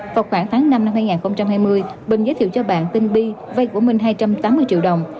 vào khoảng tháng năm năm hai nghìn hai mươi bình giới thiệu cho bạn tin bi vây của mình hai trăm tám mươi triệu đồng